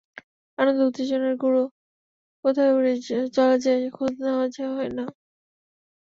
আনন্দ উত্তেজনার গুঁড়ো কোথায় উড়ে চলে যায়, খোঁজ নেওয়া হয় না।